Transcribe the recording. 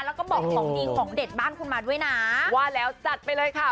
แล้วก็บอกของดีของเด็ดบ้านคุณมาด้วยนะว่าแล้วจัดไปเลยค่ะ